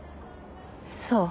そう。